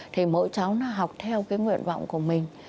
thì mỗi cháu nó học theo cái nguyện vọng của mình